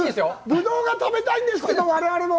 ぶどうが食べたいんですけど、我々も。